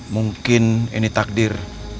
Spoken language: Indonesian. mungkin ini takdir